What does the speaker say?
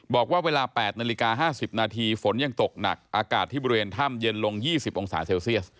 บอกว่าเวลา๘นาฬิกา๕๐นาทีฝนยังตกหนักอากาศที่บริเวณถ้ำเย็นลง๒๐องศาเซลเซียส